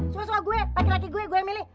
suka suka gue pakai laki gue gue yang milih